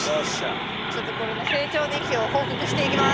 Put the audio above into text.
ちょっとこれの成長日記を報告していきます。